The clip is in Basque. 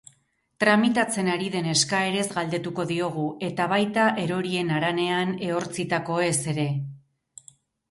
Tramitatzen ari den eskaerez galdetuko diogu, eta baita erorien haranean ehortzitakoez ere.